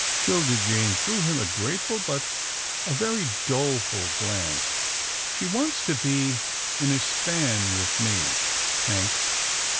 'Tilda Jane threw him a grateful, but a very doleful glance. " She wants to be in a span with me. Hank.